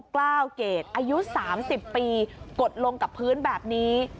กล้าวเกรดอายุ๓๐ปีกดลงกับพื้นแบบนี้